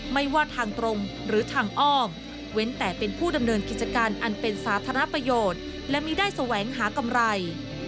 ไม่ว่าทางตรงหรือทางอ้อมเว้นแต่เป็นผู้ดำเนินกิจการอันเป็นสาธารณประโยชน์และมีได้แสวงหากำไร